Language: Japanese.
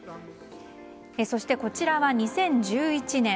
そして、こちらは２０１１年。